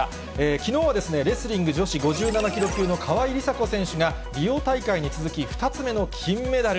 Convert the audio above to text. きのうはレスリング女子５７キロ級の川井梨紗子選手が、リオ大会に続き２つ目の金メダル。